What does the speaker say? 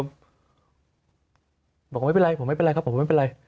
บอกว่าไม่เป็นไรผมไม่เป็นไรครับผมไม่เป็นไร